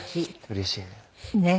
うれしいね。